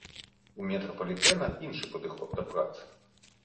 У метрапалітэна іншы падыход да працы.